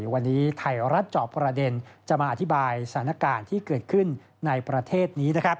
วันนี้ไทยรัฐจอบประเด็นจะมาอธิบายสถานการณ์ที่เกิดขึ้นในประเทศนี้